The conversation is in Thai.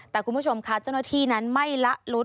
แต่คุณผู้ชมค่ะเจ้าหน้าที่นั้นไม่ละลุด